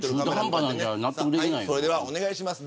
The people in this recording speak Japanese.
お願いします。